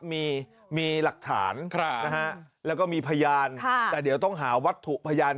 มีมีหลักฐานนะฮะแล้วก็มีพยานแต่เดี๋ยวต้องหาวัตถุพยาน